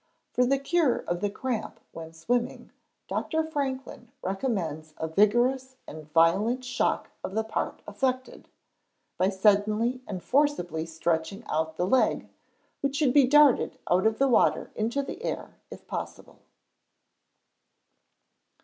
For the cure of the cramp when swimming, Dr. Franklin recommends a vigorous and violent shock of the part affected, by suddenly and forcibly stretching out the leg, which should be darted out of the water into the air if possible.